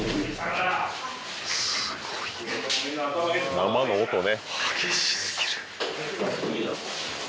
生の音ね。